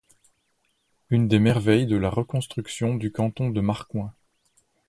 Une des merveilles de la reconstruction du canton de Marcoing.